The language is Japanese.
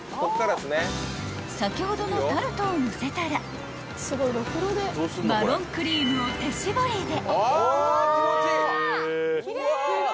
［先ほどのタルトをのせたらマロンクリームを手絞りで］